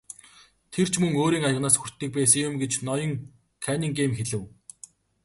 Тэр ч мөн өөрийн аяганаас хүртдэг байсан юм гэж ноён Каннингем хэлэв.